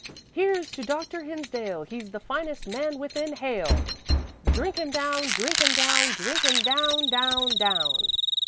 "Here's to Dr. Hinsdale, he's the finest man within hail! Drink him down, drink him down, drink him down, down, down!"